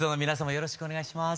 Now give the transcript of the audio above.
よろしくお願いします。